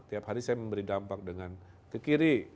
tiap hari saya memberi dampak dengan kekiri